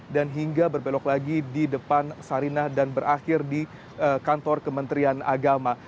dan hingga berbelok lagi di depan sarinah dan berakhir di kantor kementerian agama